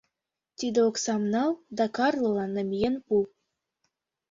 — Тиде оксам нал да Карлолан намиен пу.